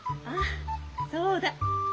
あっそうだ。